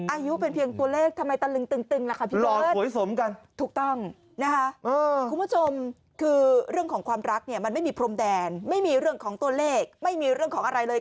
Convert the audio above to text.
อายุเป็นเพียงตัวเลขทำไมตะลึงตึง